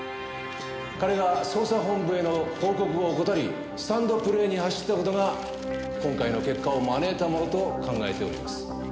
彼が捜査本部への報告を怠りスタンドプレーに走った事が今回の結果を招いたものと考えております。